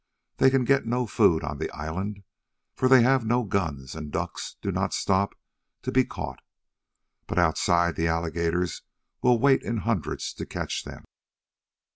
They can get no food on the island, for they have no guns and ducks do not stop to be caught, but outside the alligators will wait in hundreds to catch them.